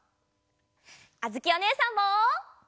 あづきおねえさんも！